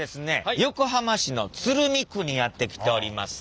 横浜市の鶴見区にやって来ております。